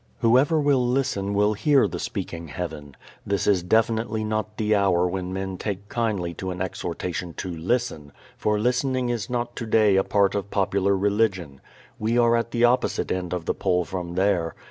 Whoever will listen will hear the speaking Heaven. This is definitely not the hour when men take kindly to an exhortation to listen, for listening is not today a part of popular religion. We are at the opposite end of the pole from there.